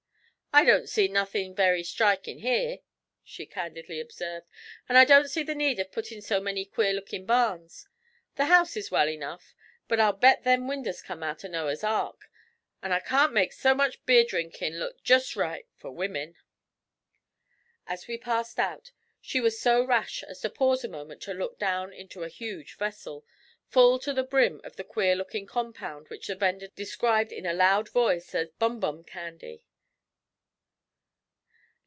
'I don't see nothin' very strikin' here,' she candidly observed, 'and I don't see the need of puttin' up so many queer lookin' barns. The house is well enough, but I'll bet them winders come out o' Noah's ark; an' I can't make so much beer drinkin' look jest right for wimmin.' As we passed out she was so rash as to pause a moment to look down into a huge vessel, full to the brim of the queer looking compound which the vendor described in a loud voice as 'bum bum candy.'